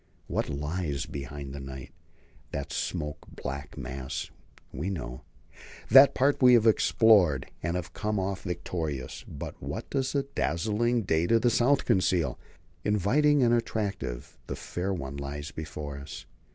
What lies behind the night that smoke black mass we know. That part we have explored, and have come off victorious. But what does the dazzling day to the south conceal? Inviting and attractive the fair one lies before us.